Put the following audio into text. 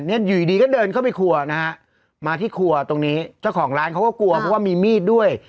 อยู่ดีก็เดินเข้าไปครัวนะฮะมาที่ครัวตรงนี้เจ้าของร้านเขาก็กลัวเพราะว่ามีมีดด้วย